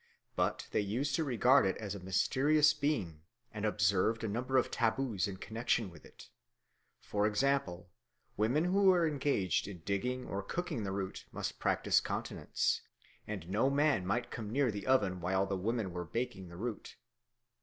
but they used to regard it as a mysterious being, and observed a number of taboos in connexion with it; for example, women who were engaged in digging or cooking the root must practice continence, and no man might come near the oven where the women were baking the root.